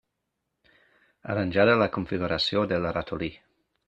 Arranjada la configuració del ratolí.